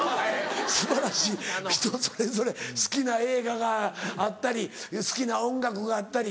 素晴らしい人それぞれ好きな映画があったり好きな音楽があったり。